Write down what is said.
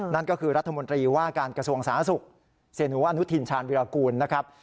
นั่นก็คือรัฐมนตรีว่าการกระทรวงสาธารณสุขเสียหนูอนุทินชาญวิรากูลนะครับ